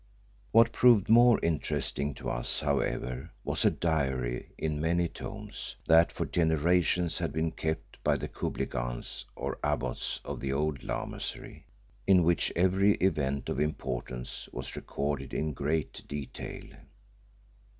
What proved more interesting to us, however, was a diary in many tomes that for generations had been kept by the Khubilghans or abbots of the old Lamasery, in which every event of importance was recorded in great detail.